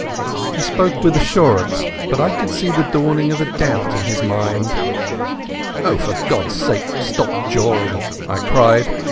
He spoke with assurance, but I could see the dawning of a doubt in his mind. "Oh, for God's sake stop jawing," I cried.